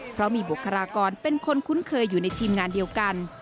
เพราะมีบุคลากรเป็นคนคุ้นเคยอยู่ในทีมงานเดียวกัน